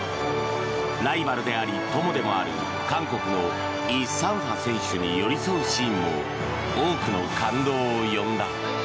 ライバルであり、友でもある韓国のイ・サンファ選手に寄り添うシーンも多くの感動を呼んだ。